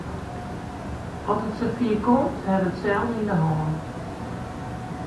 Oft it safier komt, hawwe we sels yn de hân.